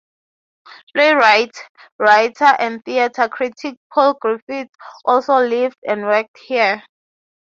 Playwright, writer, and theatre critic Paul Griffiths also lived and worked here.